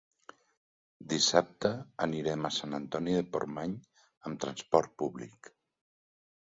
Dissabte anirem a Sant Antoni de Portmany amb transport públic.